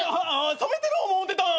染めてる思うてた。